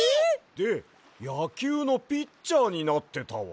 でやきゅうのピッチャーになってたわ。